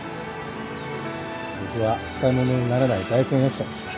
僕は使い物にならない大根役者でした。